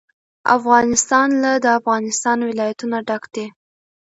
افغانستان له د افغانستان ولايتونه ډک دی.